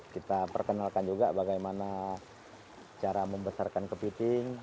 kita perkenalkan juga bagaimana cara membesarkan kepiting